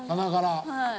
はい。